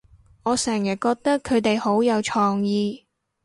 我成日覺得佢哋好有創意